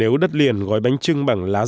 nếu đất liền gói bánh trưng bằng lá rong